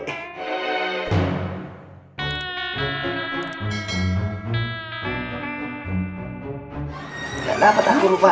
gak dapet aku rupanya